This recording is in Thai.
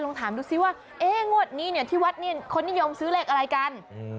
ถามดูซิว่างวดนี้เนี่ยที่วัดนี่คนนิยมซื้อเลขอะไรกัน